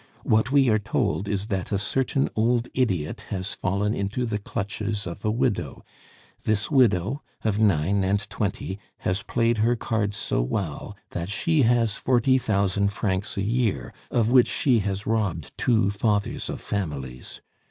What we are told is, that a certain old idiot has fallen into the clutches of a widow. This widow, of nine and twenty, has played her cards so well, that she has forty thousand francs a year, of which she has robbed two fathers of families.